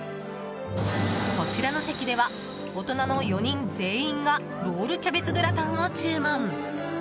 こちらの席では大人の４人全員がロールキャベツグラタンを注文。